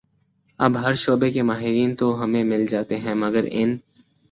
اب ہر شعبے کے ماہرین تو ہمیں مل جاتے ہیں مگر ان